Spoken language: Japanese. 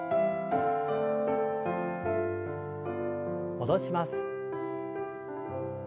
戻します。